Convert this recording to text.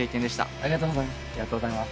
ありがとうございます。